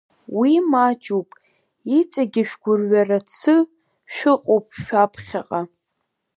Уи маҷуп, иҵегьы шәгәырҩарацы шәыҟоуп шәаԥхьаҟа!